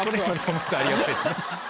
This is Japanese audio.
ほんとありがたいですね。